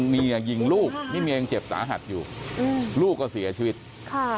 เมียยิงลูกนี่เมียยังเจ็บสาหัสอยู่อืมลูกก็เสียชีวิตค่ะ